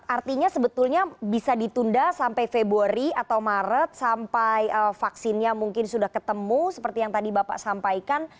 artinya sebetulnya bisa ditunda sampai februari atau maret sampai vaksinnya mungkin sudah ketemu seperti yang tadi bapak sampaikan